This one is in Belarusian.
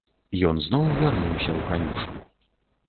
Ён зноў вярнуўся ў канюшню.